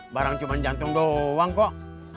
barang cuma jantung doang kok